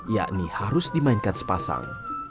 yakni harus dimainkan sepasang